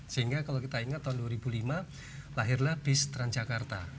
sehingga kalau kita ingat tahun dua ribu lima lahirlah bis transjakarta